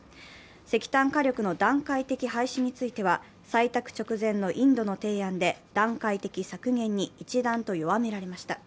石炭火力の段階的廃止については採択直前のインドの提案で段階的削減に一段と弱められました。